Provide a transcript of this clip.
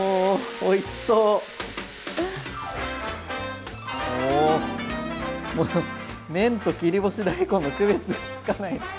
おおもう麺と切り干し大根の区別がつかない。